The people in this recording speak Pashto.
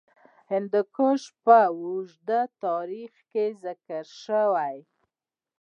هندوکش په اوږده تاریخ کې ذکر شوی.